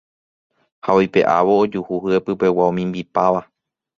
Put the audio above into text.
Ha oipe'ávo ojuhu hyepypegua omimbipáva.